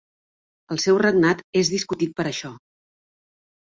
El seu regnat és discutit per això.